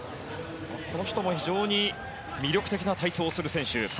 この人も非常に魅力的な体操をする選手。